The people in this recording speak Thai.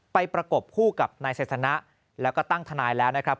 ประกบคู่กับนายไซสนะแล้วก็ตั้งทนายแล้วนะครับ